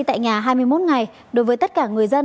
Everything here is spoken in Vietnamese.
tại nhà hai mươi một ngày đối với tất cả người dân